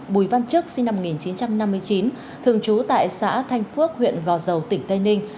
bùi văn chức sinh năm một nghìn chín trăm năm mươi chín thường trú tại xã thanh phước huyện gò dầu tỉnh tây ninh